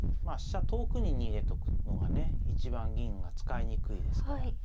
まあ飛車遠くに逃げとくのがね一番銀が使いにくいですから。